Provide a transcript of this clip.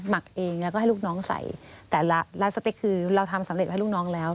ร้านสติกคือเราทำสำเร็จให้ลูกน้องแล้ว